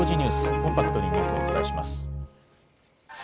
コンパクトにニュースをお伝えします。